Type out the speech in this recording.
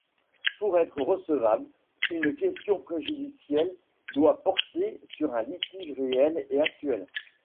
Pour être recevable, une question préjudicielle doit porter sur un litige réel et actuel.